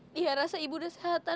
saya rasa ibu sudah sehat